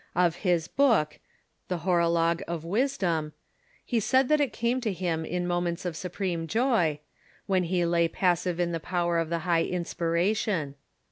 Of his book, " The Hor ologe of Wisdom," he said that it came to him in moments of supreme joy, Avhen he lay passive in the power of the high inspiration.